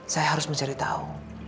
saya harus mencari tahu